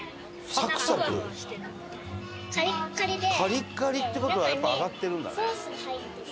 カリッカリって事はやっぱ揚がってるんだね。